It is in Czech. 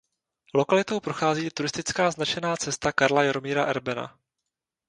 Lokalitou prochází turistická značená cesta Karla Jaromíra Erbena.